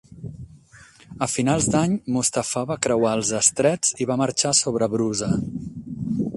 A finals d'any Mustafà va creuar els estrets i va marxar sobre Brusa.